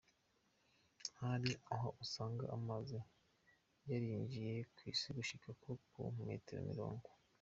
Hari aho usanga amazi yarinjiye kw'isi gushika nko ku metero mirongo.